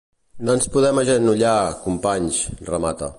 No ens podem agenollar, companys, remata.